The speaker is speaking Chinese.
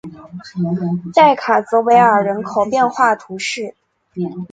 代卡泽维尔人口变化图示